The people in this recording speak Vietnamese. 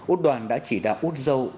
úc đoàn đã chỉ đạo úc râu